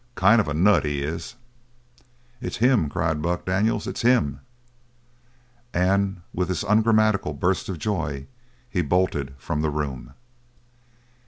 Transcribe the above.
Kind of a nut, he is." "It's him!" cried Buck Daniels. "It's him!" And with this ungrammatical burst of joy he bolted from the room.